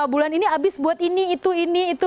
bulan ini habis buat ini itu ini itu